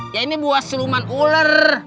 ya ini buah siluman ular